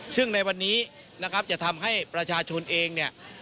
ซึ่งในวันนี้จะทำให้ประชาชนเอง